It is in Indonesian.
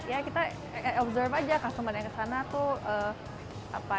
ya kita observe aja customer yang kesana tuh apa